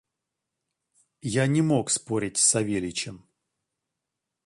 Я не мог спорить с Савельичем.